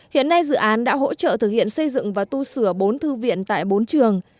hiện nay dự án đã hỗ trợ thực hiện xây dựng và tu sửa bốn thư viện tại bốn trường